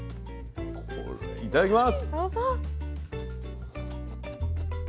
いただきます。